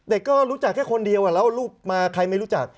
เด็กก็รู้จักแค่คนเดียวแล้วรูปมาใครไม่รู้จัก